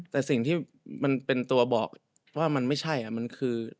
แต่สิ่งที่มันเป็นตัวบอกว่ามันไม่ใช่มันคือ